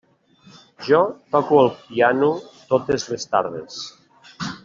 Jo toco el piano totes les tardes.